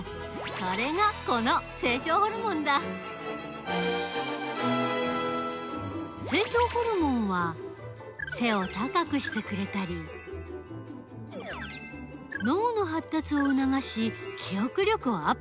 それがこの成長ホルモンだ成長ホルモンは背を高くしてくれたり脳のはったつをうながし記憶力をアップさせたりする。